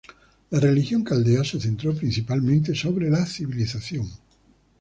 La religión caldea se centró principalmente sobre la civilización.